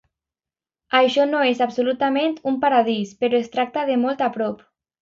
Això no és absolutament un paradís, però es tracta de molt a prop.